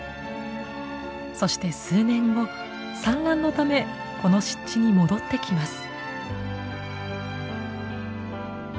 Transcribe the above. そして数年後産卵のためこの湿地に戻ってきます。